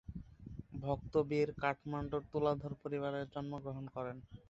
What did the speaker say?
ভক্ত বীর কাঠমান্ডুর তুলাধর পরিবারে জন্মগ্রহণ করেন।